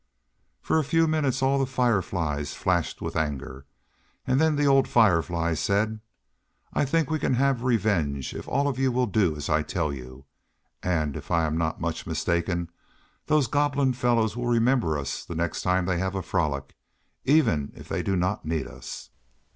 For a few minutes all the Fireflies flashed with anger and then the old Firefly said. "I think we can have revenge if all of you will do as I tell you, and if I am not much mistaken those Goblin fellows will remember us the next time they have a frolic, even if they do not need us."